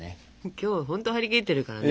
今日ほんと張り切ってるからね。